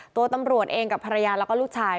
ตำรวจเองกับภรรยาแล้วก็ลูกชาย